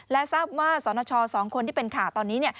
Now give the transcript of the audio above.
และทราบว่าสนช๒คนที่เป็นข่าวตอนนี้